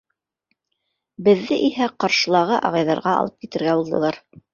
Беҙҙе иһә ҡаршылағы ағайҙарға алып китергә булдылар.